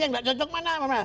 yang tidak cocok mana